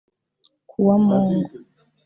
Kuwa mungu